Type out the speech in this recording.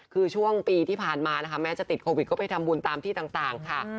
คือช่วงปีที่ผ่านมานะคะแม้จะติดโควิดก็ไปทำบุญตามที่ต่างค่ะ